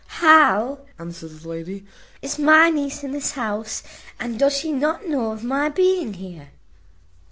"How!" answered the lady, "is my niece in this house, and does she not know of my being here?"